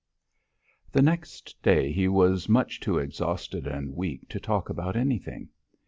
The next day he was much too exhausted and weak to talk about anything.